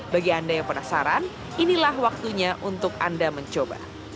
bagi anda yang penasaran inilah waktunya untuk anda mencoba